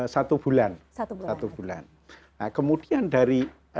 satu bulan satu bulan kemudian dari